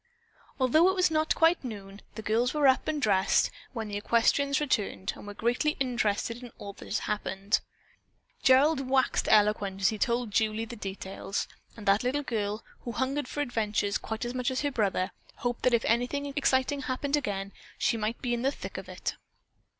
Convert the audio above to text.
Although it was not quite noon, the girls were up and dressed when the equestrians returned and were greatly interested in all that had happened. Gerald waxed eloquent as he told Julie the details, and that little girl, who hungered for adventure quite as much as her brother, hoped that if anything exciting happened again, she might be in the thick of it.